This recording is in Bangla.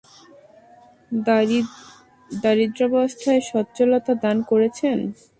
দারিদ্রাবস্থায় স্বচ্ছলতা দান করেছেন।